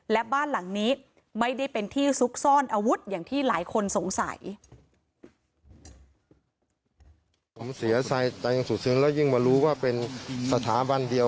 และบ้านหลังนี้ไม่ได้เป็นที่ซุกซ่อนอาวุธอย่างที่หลายคนสงสัย